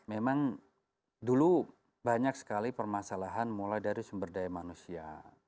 memang dulu banyak sekali permasalahan mulai dari sumber daya manusia